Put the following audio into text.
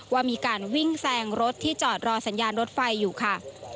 ว่ามีการวิ่งแซงรถที่จอดรอสัญญาณรถไฟอยู่ค่ะ